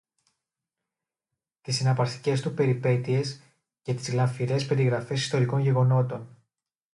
τις συναρπαστικές τους περιπέτειες, και τις γλαφυρές περιγραφές ιστορικών γεγονότων